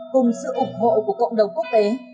cùng sự ủng hộ của cộng đồng quốc tế